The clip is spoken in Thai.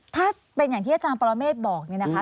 ถ้าเป็นอย่างที่อาจารย์ปรเมฆบอกเนี่ยนะคะ